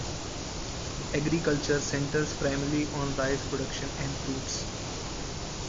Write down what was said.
Agriculture centers primarily on rice production and fruits.